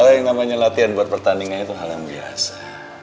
kalau yang namanya latihan buat pertandingan itu hal yang biasa